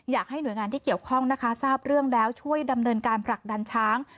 อยากให้หน่วยงานที่เกี่ยวข้องนะคะทราบเรื่องแล้วช่วยดำเนินการผลักดันช้าง